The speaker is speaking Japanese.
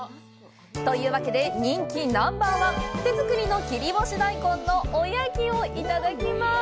というわけで、人気ナンバーワン手作りの切り干し大根のおやきをいただきます。